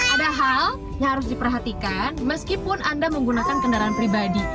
ada hal yang harus diperhatikan meskipun anda menggunakan kendaraan pribadi